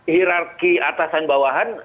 hirarki atasan bawahan